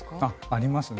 ありますね。